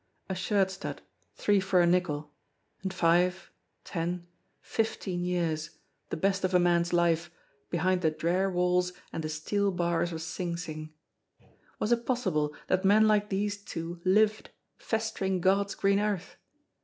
A shirt stud, three for a nickel and five, ten, fifteen years, the best of a man's life, behind the drear walls and the steel bars of Sing Sing. Was it possible that men like these two lived, festering God's green earth